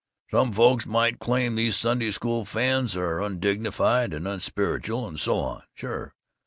"Some folks might claim these Sunday School fans are undignified and unspiritual and so on. Sure!